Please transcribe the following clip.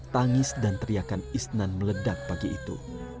tangis dan teriakan isnan meledak pagi itu